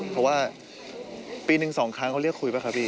เพราะว่าปีหนึ่งสองครั้งเขาเรียกคุยป่ะครับพี่